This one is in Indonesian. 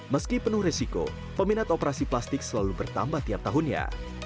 meski penuh resiko peminat operasi plastik selalu bertambah tiap tahunnya